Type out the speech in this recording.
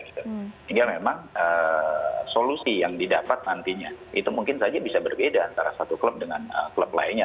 sehingga memang solusi yang didapat nantinya itu mungkin saja bisa berbeda antara satu klub dengan klub lainnya